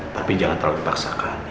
tapi jangan terlalu dipaksakan